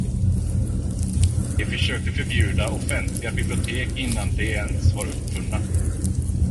De försökte förbjuda offentliga bibliotek innan de ens var uppfunna.